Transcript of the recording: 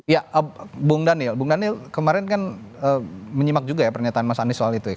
ya bung daniel bung daniel kemarin kan menyimak juga ya pernyataan mas anies soal itu ya